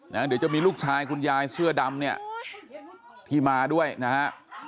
เดี๋ยวจะมีลูกชายคุณยายเสื้อดำเนี่ยที่มาด้วยนะฮะ